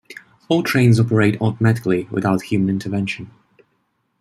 All trains operate on a automatically without human intervention.